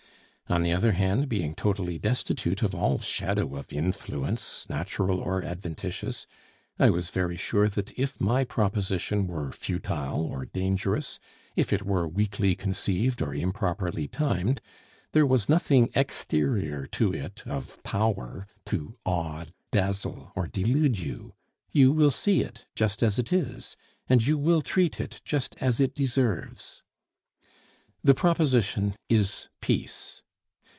On the other hand, being totally destitute of all shadow of influence, natural or adventitious, I was very sure that if my proposition were futile or dangerous, if it were weakly conceived or improperly timed, there was nothing exterior to it of power to awe, dazzle, or delude you. You will see it just as it is; and you will treat it just as it deserves. The proposition is Peace.